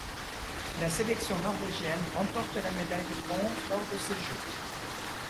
La sélection norvégienne remporte la médaille de bronze lors de ces Jeux.